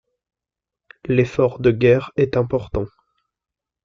L’effort de guerre est important.